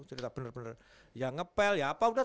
cerita bener bener ya ngepel ya apa udah